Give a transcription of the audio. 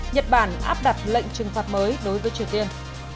nhật bản áp đặt lệnh trừng phạt mới đối với triều tiên